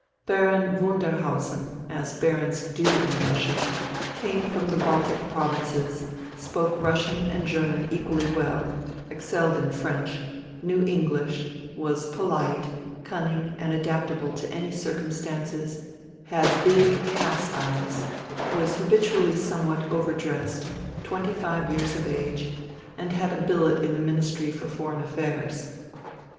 Baron Wunderhausen, as barons do in Russia, came from the Baltic Provinces, spoke Russian and German equally well, excelled in French, knew English, was polite, cunning and adaptable to any circumstances, had big calf's eyes, was habitually somewhat over dressed, twenty five years of age, and had a billet in the Ministry for Foreign Affairs.